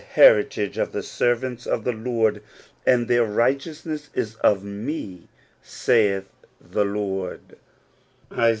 103 lieritage of the servants of the Lord, and their righteousness is of me, saith the Lord" (Is.